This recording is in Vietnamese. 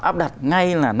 áp đặt ngay là